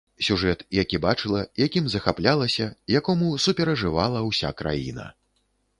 Сюжэт, які бачыла, якім захаплялася, якому суперажывала ўся краіна.